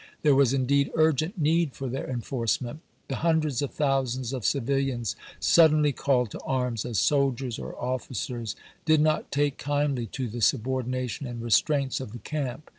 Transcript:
There was indeed urgent need for their enforce ment. The hundreds of thousands of civilians suddenly calh.'d to arms as soldiers or officers did not take kindly to the subordination aud restraints of the camp.